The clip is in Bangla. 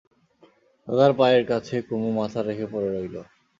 দাদার পায়ের কাছে কুমু মাথা রেখে পড়ে রইল।